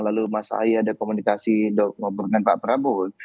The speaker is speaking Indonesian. lalu mas ahy ada komunikasi ngobrol dengan pak prabowo